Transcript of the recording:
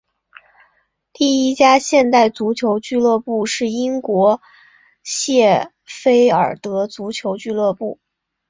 第一家现代足球俱乐部是英国谢菲尔德足球俱乐部。